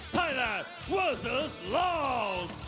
ไทยแลนด์เวอร์ซอสลาวส์